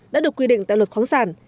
đã được quy định tại luật khoáng sản